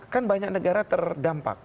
kan banyak negara terdampak